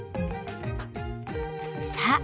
さあ